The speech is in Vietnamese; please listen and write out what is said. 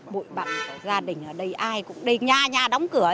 bội bậc gia đình ở đây ai cũng đầy nhà nhà đóng cửa